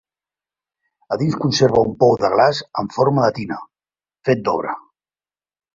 A dins conserva un pou de glaç en forma de tina, fet d'obra.